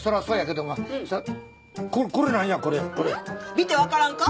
見て分からんか？